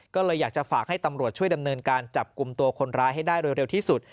ก็เลยอยากจะฝากให้ตำรวจช่วยดำเนินการจับกลุ่มตัวคนร้ายให้ได้โดยเร็วที่สุด